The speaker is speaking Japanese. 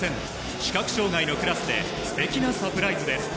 視覚障がいのクラスですてきなサプライズです。